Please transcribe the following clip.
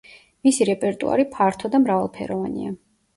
მისი რეპერტუარი ფართო და მრავალფეროვანია.